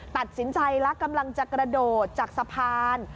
ตัดสินใจแล้วกำลังจะกระโดดจากสะพาน